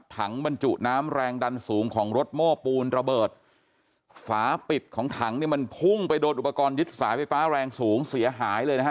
บรรจุน้ำแรงดันสูงของรถโม้ปูนระเบิดฝาปิดของถังเนี่ยมันพุ่งไปโดนอุปกรณ์ยึดสายไฟฟ้าแรงสูงเสียหายเลยนะฮะ